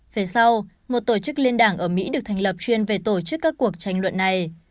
về sau một tổ chức liên đảng ở mỹ được thành lập chuyên về tổ chức các cuộc tranh luận này